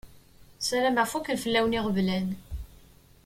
Sarameɣ fukken fell-awen iɣeblan.